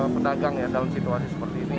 pedagang ya dalam situasi seperti ini